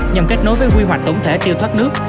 nhằm kết nối với quy hoạch tổng thể tiêu thoát nước